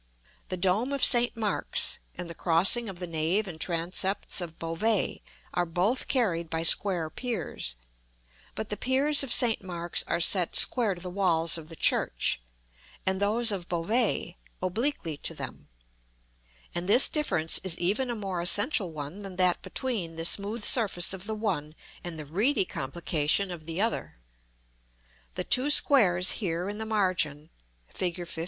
The dome of St. Mark's, and the crossing of the nave and transepts of Beauvais, are both carried by square piers; but the piers of St. Mark's are set square to the walls of the church, and those of Beauvais obliquely to them: and this difference is even a more essential one than that between the smooth surface of the one and the reedy complication of the other. The two squares here in the margin (Fig. XV.)